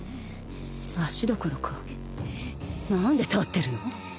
足どころか何で立ってるの？